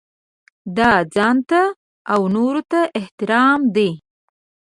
دا ځانته او نورو ته احترام دی.